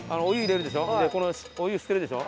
お湯入れるでしょ？